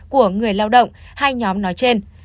của người lao động hai nhóm nói trên